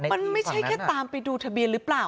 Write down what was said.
มันไม่ใช่แค่ตามไปดูทะเบียนหรือเปล่า